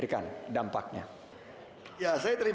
dimana nelayan tidak pernah dipilih